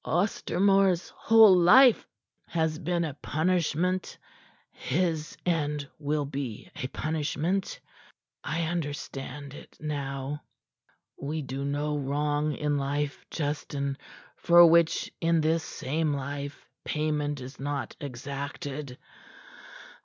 Ostermore's whole life has been a punishment; his end will be a punishment. I understand it now. We do no wrong in life, Justin, for which in this same life payment is not exacted.